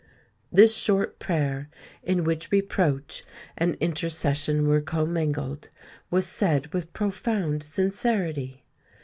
This short prayer, in which reproach and intercession were commingled, was said with profound sincerity.